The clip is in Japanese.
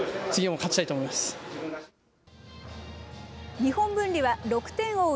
日本文理は６点を追う